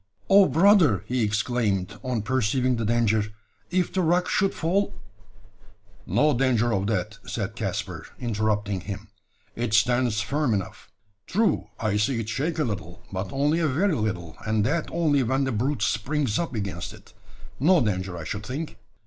"Oh, brother!" he exclaimed, on perceiving the danger, "if the rock should fall " "No danger of that," said Caspar, interrupting him; "it stands firm enough. True, I see it shake a little, but only a very little; and that only when the brute springs up against it. No danger, I should think!"